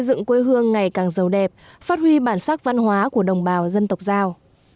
dựng quê hương ngày càng giàu đẹp phát huy bản sắc văn hóa của đồng bào dân tộc giao